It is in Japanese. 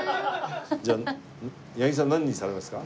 じゃあ八木さん何にされますか？